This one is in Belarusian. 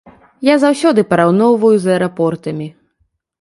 Я заўсёды параўноўваю з аэрапортамі.